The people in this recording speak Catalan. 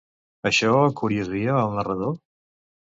Això encuriosia al narrador?